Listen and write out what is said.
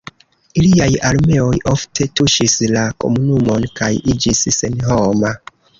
Iliaj armeoj ofte tuŝis la komunumon kaj iĝis senhoma.